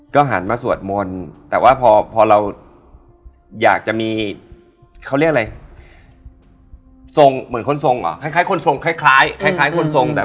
ก็หันมาสวดมนต์แต่ว่าพอพอเราอยากจะมีเขาเรียกอะไรทรงเหมือนคนทรงเหรอคล้ายคนทรงคล้ายคล้ายคนทรงแบบ